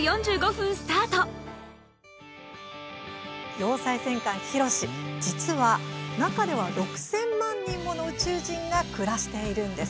要塞戦艦「緋炉詩」実は、中では６０００万人もの宇宙人が暮らしているんです。